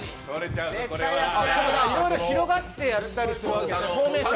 いろいろ広がってやったりします、フォーメーション。